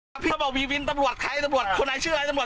สอบพ่อไหนอยู่ไปเรื่อยครับอ้าวให้จำรวจไปเรื่อยดูนะครับ